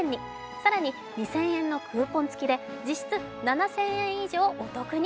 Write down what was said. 更に２０００円のクーポン付きで実質７０００円以上お得に。